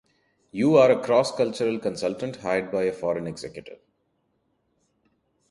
You are a cross-cultural consultant hired by a foreign executive